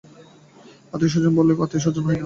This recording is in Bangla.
আত্মীয়স্বজন বললেই আত্মীয়স্বজন হয় না।